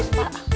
satu satu satu